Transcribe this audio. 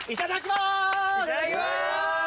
いただきます！